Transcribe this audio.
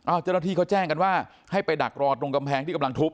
เจ้าหน้าที่เขาแจ้งกันว่าให้ไปดักรอตรงกำแพงที่กำลังทุบ